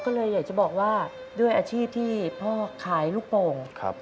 ก็เลยอยากจะบอกว่าด้วยอาชีพที่พ่อขายลูกโป่ง